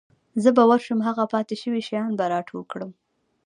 زه به ورشم هغه پاتې شوي شیان به راټول کړم.